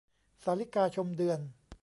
สาลิกาชมเดือน